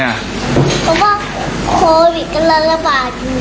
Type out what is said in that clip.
เพราะว่าโควิดกำลังระบาดอยู่